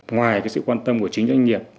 ngoài sự quan tâm của chính doanh nghiệp